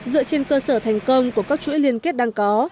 dựa trên cơ sở thành công của các chuỗi liên kết đang có